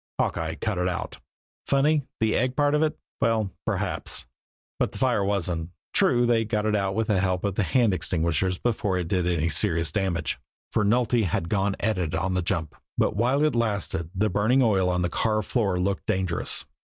Hawkeye "cut it out." Funny, the egg part of it? Well, perhaps. But the fire wasn't. True, they got it out with the help of the hand extinguishers before it did any serious damage, for Nulty had gone at it on the jump; but while it lasted the burning oil on the car floor looked dangerous.